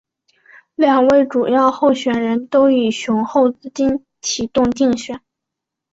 两位主要候选人都以雄厚资金启动竞选。